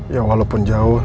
ya walaupun jauh